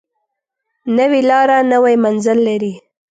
نوې لاره نوی منزل لري